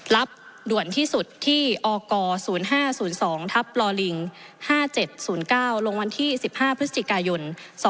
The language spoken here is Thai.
รับด่วนที่สุดที่อก๐๕๐๒๕๗๐๙ลงวันที่๑๕พฤศจิกายน๒๕๕๙